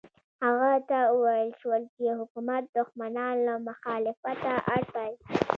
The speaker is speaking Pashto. هغه ته وویل شول چې حکومت دښمنان له مخالفته اړ باسي.